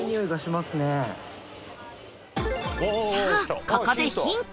さあここでヒント